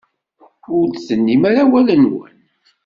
Ur d-tennim ara awal-nwen.